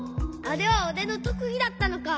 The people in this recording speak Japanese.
あれはおれのとくぎだったのか。